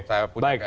saya pun yakin